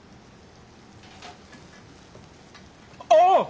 ああ！